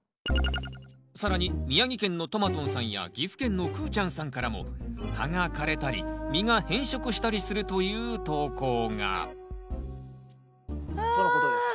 更に宮城県のトマトンさんや岐阜県のクーちゃんさんからも葉が枯れたり実が変色したりするという投稿がとのことです。